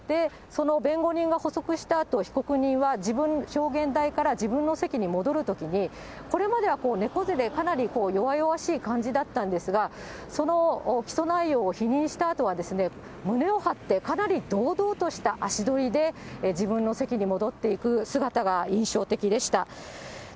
その弁護人が補足したあと、被告人は証言台から自分の席に戻るときに、これまでは猫背でかなり弱々しい感じだったんですが、その起訴内容を否認したあとは、胸を張って、かなり堂々とした足取りで、自分の席に戻っていく姿が印象的でした。